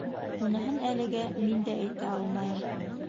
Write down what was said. Уныһын әлегә... мин дә әйтә алмайым.